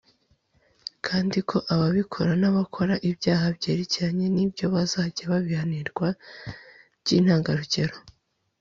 kandi ko ababikora n’abakora ibyaha byerekeranye n’ibyo bazajya babihanirwa by’intangarugero